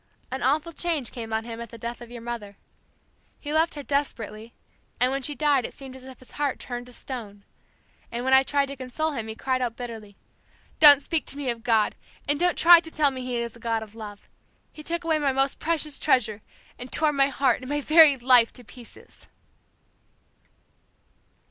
"An awful change came on him at the death of your mother. He loved her desperately and when she died it seemed as if his heart turned to stone, and when I tried to console him he cried out bitterly, 'Don't speak to me of God and don't try to tell me He is a God of love. He took away my most precious treasure and tore my heart and my very life to pieces.'